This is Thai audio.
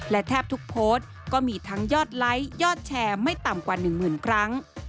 และแทบทุกโพสต์ก็มีทั้งยอดไลค์ยอดแชร์ไม่ต่ำกว่า๑หมื่นครั้ง